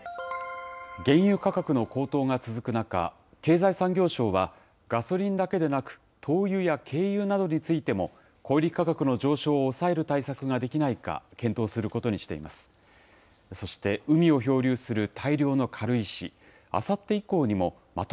原油価格の高騰が続く中、経済産業省はガソリンだけでなく、灯油や軽油などについても、小売り価格の上昇を抑える対策ができないか、検討することにしています。